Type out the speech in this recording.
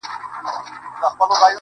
o گرانه شاعره صدقه دي سمه.